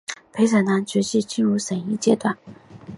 陪审团随即进入审议阶段。